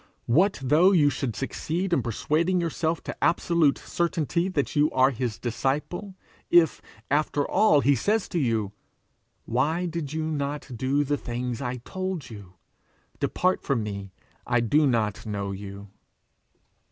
What though you should succeed in persuading yourself to absolute certainty that you are his disciple, if, after all, he say to you, 'Why did you not do the things I told you? Depart from me; I do not know you!'